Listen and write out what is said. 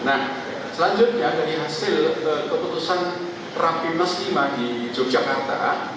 nah selanjutnya dari hasil keputusan rapi meskima di yogyakarta